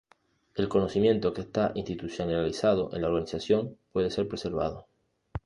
El conocimiento que está institucionalizado en la organización, puede ser preservado.